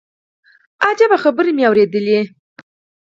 عجيبه خبرې مې اورېدلې.